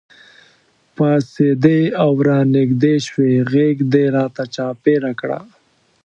پاڅېدې او رانږدې شوې غېږ دې راته چاپېره کړه.